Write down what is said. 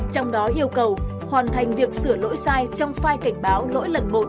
trong đó yêu cầu hoàn thành việc sửa lỗi sai trong file cảnh báo lỗi lần một